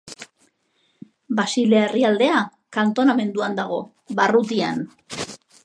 Basilea Herrialdea kantonamenduan dago, barrutian.